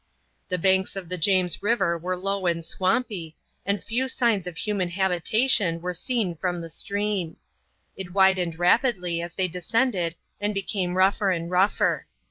The banks of the James River are low and swampy, and few signs of human habitation were seen from the stream. It widened rapidly as they descended and became rougher and rougher.